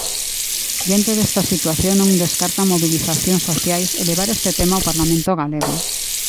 Diante desta situación non descartan mobilizacións sociais e levar este tema ao Parlamento galego.